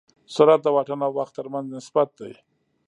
سرعت د واټن او وخت تر منځ نسبت دی.